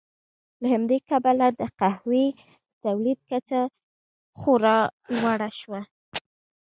له همدې کبله د قهوې د تولید کچه خورا لوړه شوه.